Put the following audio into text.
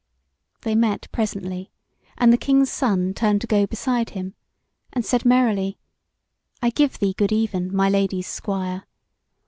They met presently, and the King's Son turned to go beside him, and said merrily: "I give thee good even, my Lady's Squire!